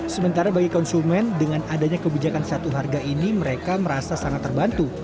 sementara bagi konsumen dengan adanya kebijakan satu harga ini mereka merasa sangat terbantu